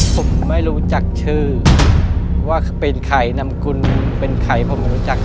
ผมไม่รู้จักชื่อว่าเป็นใครนำกุลเป็นใครผมไม่รู้จัก